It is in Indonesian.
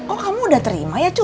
oh kamu udah terima ya